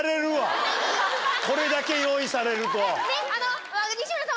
これだけ用意されると。